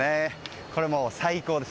これ、最高です。